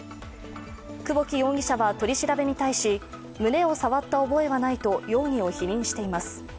久保木容疑者は取り調べに対し、胸を触った覚えはないと容疑を否認しています。